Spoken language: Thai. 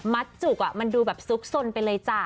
จุกมันดูแบบซุกสนไปเลยจ้ะ